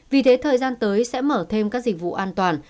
vì thế thời gian tới sẽ mở thêm các dịch vụ an toàn